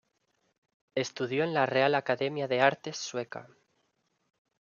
Estudió en la Real Academia de Artes sueca.